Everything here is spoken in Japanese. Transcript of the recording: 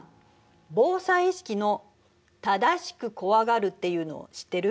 防災意識の「正しく怖がる」っていうの知ってる？